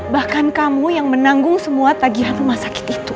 bahkan kamu yang menanggung semua tagihan rumah sakit itu